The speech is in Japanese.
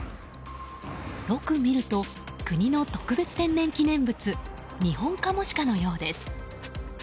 よく見ると、国の特別天然記念物ニホンカモシカのようです。